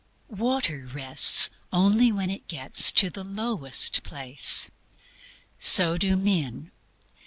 Water rests only when it gets to the lowest place. So do men.